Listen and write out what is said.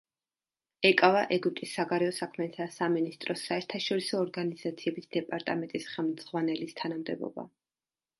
ეკავა ეგვიპტის საგარეო საქმეთა სამინისტროს საერთაშორისო ორგანიზაციების დეპარტამენტის ხელმძღვანელის თანამდებობა.